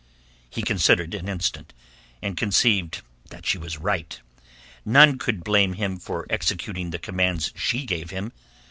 He considered an instant, and conceived that she was right. None could blame him for executing the commands she gave him.